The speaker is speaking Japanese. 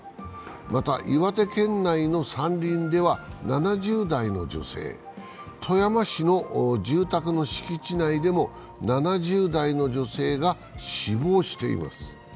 また、岩手県内の山林では７０代の女性、富山市の住宅の敷地内でも７０代の女性が死亡しています。